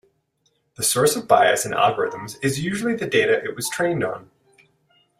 The source of bias in algorithms is usually the data it was trained on.